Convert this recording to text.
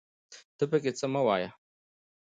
ته پکې څه مه وايه